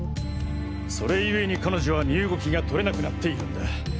それゆえに彼女は身動きが取れなくなっているんだ。